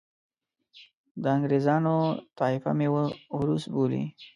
د انګریزانو طایفه مې اوروس بولي.